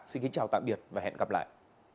xin kính chào tạm biệt và hẹn gặp lại